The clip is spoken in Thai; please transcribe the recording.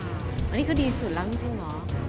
อันนี้เขาดีสุดแล้วจริงเหรอ